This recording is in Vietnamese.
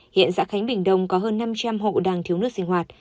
hiện xã khánh bình đông có hơn năm trăm linh hộ đang thiếu nước sinh hoạt